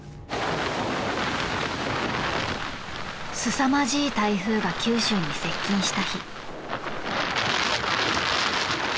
［すさまじい台風が九州に接近した日］